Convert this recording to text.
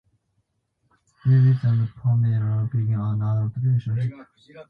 David and Pamela begin an adult relationship.